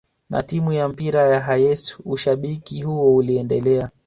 na timu ya mpira ya Hayes ushabiki huo uliendelea